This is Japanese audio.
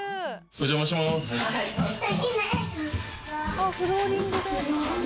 あっフローリングだ。